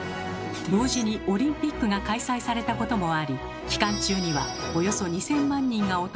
同時にオリンピックが開催されたこともあり期間中にはおよそ２，０００万人が訪れたといいます。